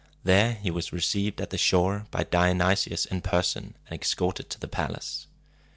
There he was received at the shore by Dionysius in person, and escorted to the palace.